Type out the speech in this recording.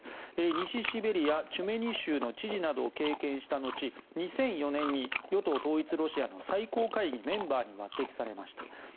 西シベリアチュメニ州の知事などを経験したのち２００４年に与党・統一ロシアの最高会議メンバーに抜てきされました。